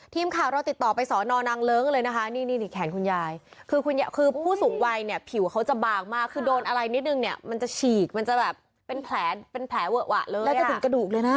ถ้าคนอะไรนิดหนึ่งเนี่ยมันจะฉีกมันจะแบบเป็นแผลเวอะวะเลย